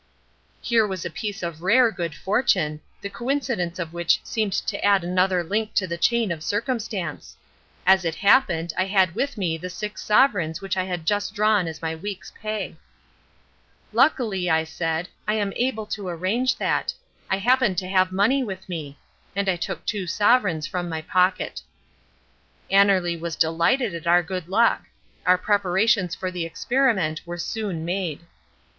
Here was a piece of rare good fortune, the coincidence of which seemed to add another link to the chain of circumstance. As it happened I had with me the six sovereigns which I had just drawn as my week's pay. "Luckily," I said, "I am able to arrange that. I happen to have money with me." And I took two sovereigns from my pocket. Annerly was delighted at our good luck. Our preparations for the experiment were soon made.